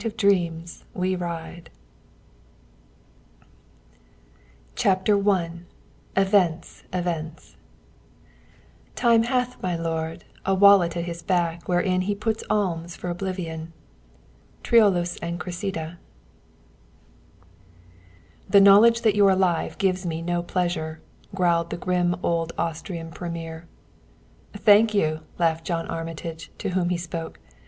XXVII Decent Burial XXVIII John Armitage CHAPTER I "EVENTS, EVENTS" Time hath, my lord, a wallet at his back Wherein he puts alms for oblivion. Troilus and Cressida. "The knowledge that you're alive gives me no pleasure," growled the grim old Austrian premier. "Thank you!" laughed John Armitage, to whom he had spoken.